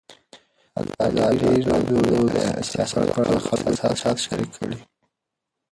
ازادي راډیو د سیاست په اړه د خلکو احساسات شریک کړي.